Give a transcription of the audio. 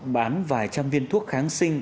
bán vài trăm viên thuốc kháng sinh